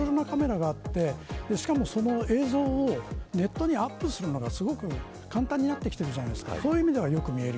いろいろなカメラがあってしかもその映像をネットにアップするのがすごく簡単になってきているじゃないですか。